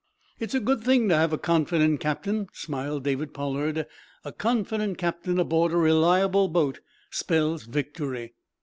"It's a good thing to have a confident captain," smiled David Pollard. "A confident captain, aboard a reliable boat, spells victory."